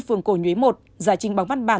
phường cổ nhuế một giải trình bằng văn bản